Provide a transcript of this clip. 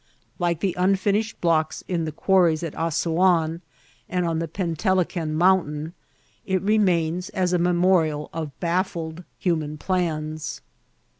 Like the unfinished blocks in the quar ries at Assouan and on the Pentelican Mountain, it re mains as a manorial of baffled human plans.